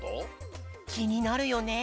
きになるよね。